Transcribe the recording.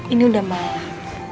ini udah malah